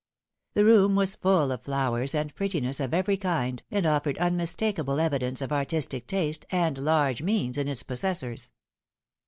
The room was full of flowers and prettinesses of every kind, and offered unmistakable evidence of artistic taste and large means in its possessors.